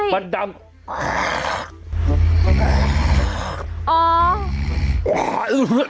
มันดำ